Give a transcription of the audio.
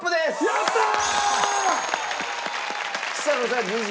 やったー！